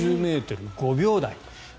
５０ｍ５秒台。